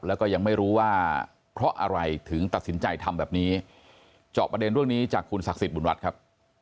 แล้วก็ยังไม่รู้ว่าเพราะอะไรถึงตัดสินใจทำแบบนี้เจาะประเด็นเรื่องนี้จากคุณศักดิ์สิทธิบุญรัฐครับ